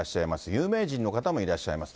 有名人の方もいらっしゃいます。